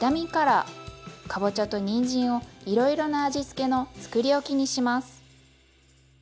かぼちゃとにんじんをいろいろな味付けのつくりおきにします。